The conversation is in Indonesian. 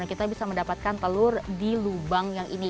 kita bisa mendapatkan telur di lubang yang ini